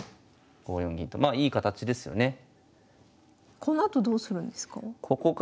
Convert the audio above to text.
このあとどうするんですか？